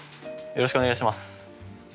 よろしくお願いします。